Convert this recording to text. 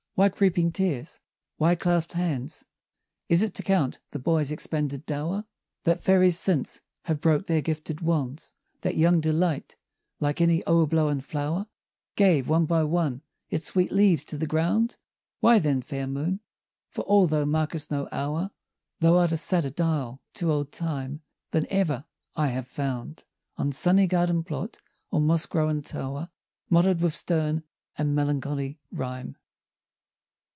why creeping tears? why clasped hands? Is it to count the boy's expended dow'r? That fairies since have broke their gifted wands? That young Delight, like any o'erblown flower, Gave, one by one, its sweet leaves to the ground? Why then, fair Moon, for all thou mark'st no hour, Thou art a sadder dial to old Time Than ever I have found On sunny garden plot, or moss grown tow'r, Motto'd with stern and melancholy rhyme.